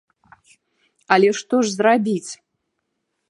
Але што ж зрабіць?